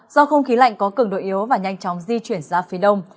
do không khí lạnh có cường độ yếu và nhanh chóng di chuyển ra phía đông